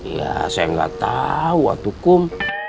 ya saya gak tau atuh kum